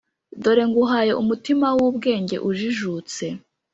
dore nguhaye umutima w’ubwenge ujijutse;